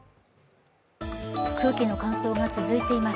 空気の乾燥が続いています。